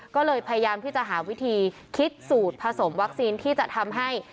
ก็เลยพยายามที่จะหาวิธีคิดสูตรผสมวัคซีนที่จะทำให้